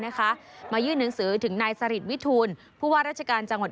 นะคะมายื่นหนังสือถึงนายสริตวิทูลผู้ว่าราชการจังหวัด